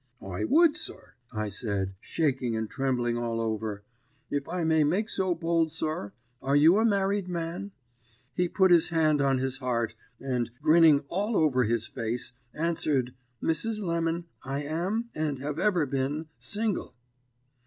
"'I would, sir,' I said, shaking and trembling all over. 'If I may make so bold, sir, are you a married man?' "He put his hand on his heart, and, grinning all over his face, answered, 'Mrs. Lemon, I am, and have ever been, single.'